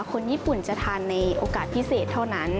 คนญี่ปุ่นจะทานในโอกาสพิเศษเท่านั้น